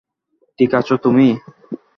ঠিক আছো তুমি।